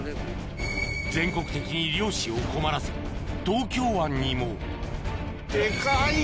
全国的に漁師を困らせ東京湾にもデカい。